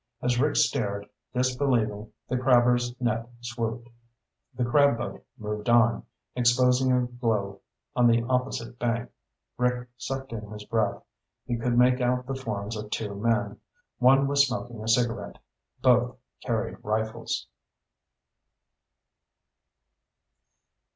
As Rick stared, disbelieving, the crabber's net swooped. The crab boat moved on, exposing a glow on the opposite bank. Rick sucked in his breath. He could make out the forms of two men. One was smoking a cigarette. Both carried rifles.